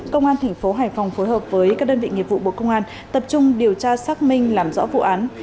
công an thành phố hải phòng phối hợp với các đơn vị nghiệp vụ bộ công an tập trung điều tra xác minh làm rõ vụ án